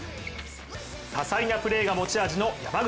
多彩なプレーが持ち味の山口。